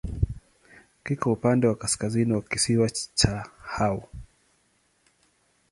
Kiko upande wa kaskazini wa kisiwa cha Hao.